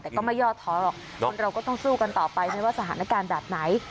แต่ก็ไม่ย่อท้อหรอกคนเราก็ต้องสู้กันต่อไปไม่ว่าสถานการณ์แบบไหน